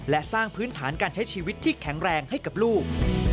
และสร้างพื้นฐานการใช้ชีวิตที่แข็งแรงให้กับลูก